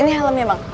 ini helmnya bang